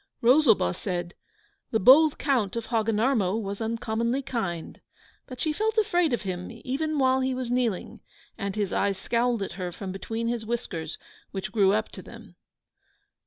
Rosalba said, 'The bold Count of Hogginarmo was uncommonly kind.' But she felt afraid of him, even while he was kneeling, and his eyes scowled at her from between his whiskers, which grew up to them.